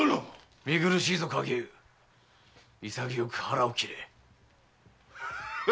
見苦しいぞ勘解由潔く腹を切れ。